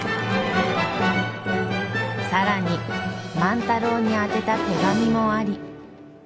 更に万太郎に宛てた手紙もあり。